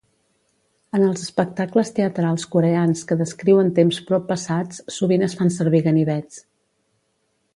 En els espectacles teatrals coreans que descriuen temps proppassats, sovint es fan servir ganivets.